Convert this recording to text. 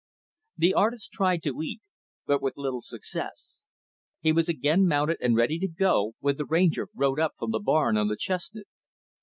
The artist tried to eat; but with little success. He was again mounted and ready to go when the Ranger rode up from the barn on the chestnut.